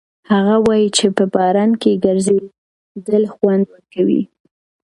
هغه وایي چې په باران کې ګرځېدل خوند ورکوي.